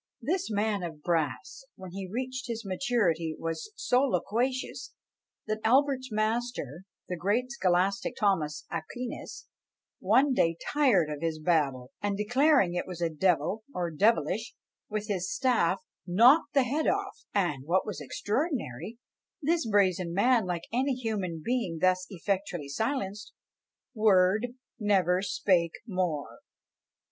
This man of brass, when he reached his maturity, was so loquacious, that Albert's master, the great scholastic Thomas Aquinas, one day, tired of his babble, and declaring it was a devil, or devilish, with his staff knocked the head off; and, what was extraordinary, this brazen man, like any human being thus effectually silenced, "word never spake more."